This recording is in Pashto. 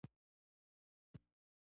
یا هم د یوې ټولنیزې ډلې غړی وي.